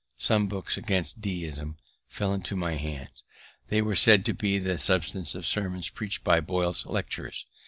Some books against Deism fell into my hands; they were said to be the substance of sermons preached at Boyle's Lectures.